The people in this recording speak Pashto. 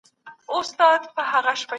کمپيوټر جرم ثبتوي.